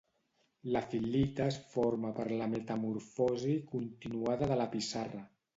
La fil·lita es forma per la metamorfosi continuada de la pissarra.